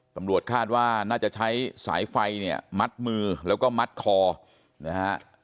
ตำรวจคาดว่าน่าจะใช้สายไฟเนี่ยมัดมือแล้วก็มัดคอนะฮะ